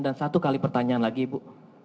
dan satu kali pertanyaan lagi ibu